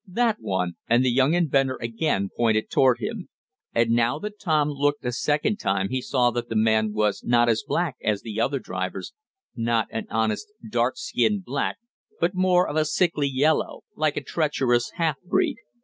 "That one!" and the young inventor again pointed toward him. And, now that Tom looked a second time he saw that the man was not as black as the other drivers not an honest, dark skinned black but more of a sickly yellow, like a treacherous half breed.